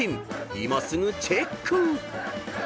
今すぐチェック！］